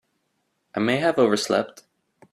I may have overslept.